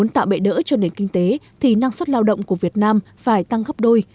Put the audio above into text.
để đỡ cho nền kinh tế thì năng suất lao động của việt nam phải tăng gấp đôi